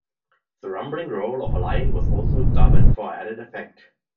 The rumbling growl of a lion was also dubbed for added effect.